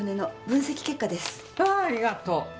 わあありがとう！